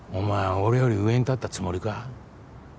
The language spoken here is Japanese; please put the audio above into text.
俺より上に立ったつもりか？